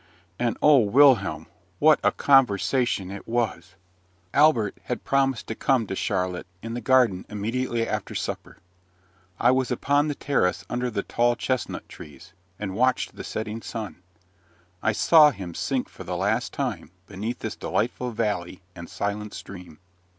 And O Wilhelm, what a conversation it was! Albert had promised to come to Charlotte in the garden immediately after supper. I was upon the terrace under the tall chestnut trees, and watched the setting sun. I saw him sink for the last time beneath this delightful valley and silent stream.